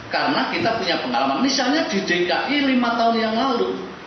karena kita punya pengalaman misalnya di dki lima tahun yang lalu